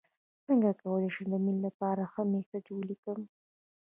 څنګه کولی شم د مینې لپاره ښه میسج ولیکم